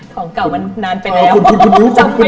ของเก่ามันนานไปแล้ว